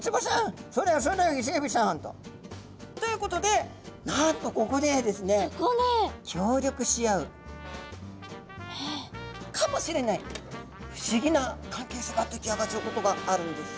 そうだよイセエビさん」と。ということでなんとここでですね協力し合うかもしれない不思議な関係性が出来上がっちゃうことがあるんです。